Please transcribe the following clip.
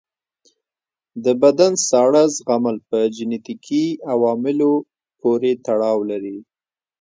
د بدن ساړه زغمل په جنیټیکي عواملو پورې تړاو لري.